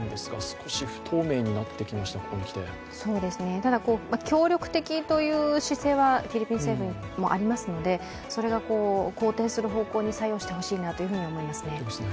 ただ、協力的という姿勢はフィリピン政府もありますので、それが好転する方向に作用してほしいなと思いますね。